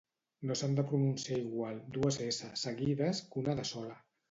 No s'han de pronunciar igual dues essa seguides que una de sola